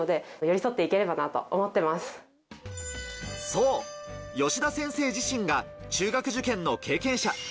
そう、吉田先生自身が中学受験の経験者。